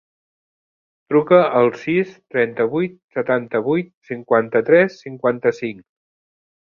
Truca al sis, trenta-vuit, setanta-vuit, cinquanta-tres, cinquanta-cinc.